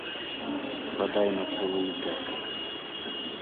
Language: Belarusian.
Бадай на цэлую пядзю.